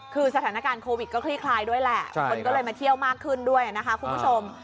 คือสถานการณ์โควิดก็คลี่คลายด้วยแหละคนก็เลยมาเที่ยวมากขึ้นด้วยนะคะคุณผู้ชม